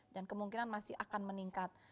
dan kemungkinan masih akan meningkat